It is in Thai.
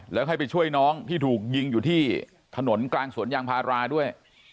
แล้วให้ไปช่วยน้องที่ถูกยิงอยู่ที่ถนนกลางสวนยางพาราด้วย